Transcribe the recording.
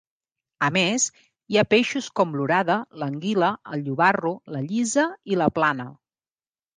A més, hi ha peixos com l'orada, l'anguila, el llobarro, la llisa, i la plana.